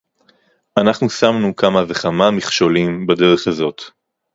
אנחנו שמנו כמה וכמה מכשולים בדרך הזאת